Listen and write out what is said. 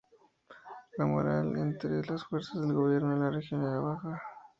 La moral entre las fuerzas del gobierno en la región era baja.